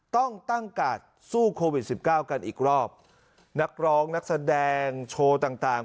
ต้องตั้งกัดสู้โควิด๑๙กันอีกรอบนักร้องนักแสดงโชว์ต่าง